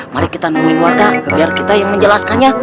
mari kita nungguin warta biar kita yang menjelaskannya